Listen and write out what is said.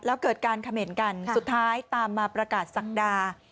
แล้วเกิดการเขม่นกันสุดท้ายตามมาประกาศศักดา